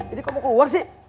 ini kok mau keluar sih